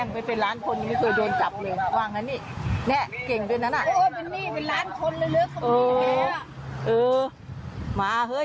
เออเออเป็นนี่เป็นล้านคนเลยเลยเขามีแท้เออเออมาเฮ้ย